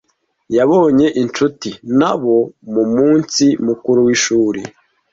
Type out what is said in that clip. Yabonye inshuti nabo mu munsi mukuru w’ishuri.